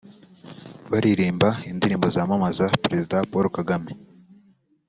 baririmba indirimbo zamamaza Perezida Paul Kagame